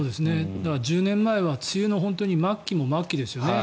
１０年前は梅雨の末期も末期ですよね。